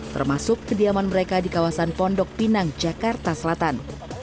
termasuk kediaman mereka di kawasan pondok pinang jakarta selatan